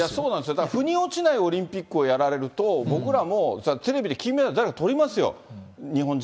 だからふに落ちないオリンピックをやられると、僕らも、テレビで誰か金メダルとりますよ、日本人。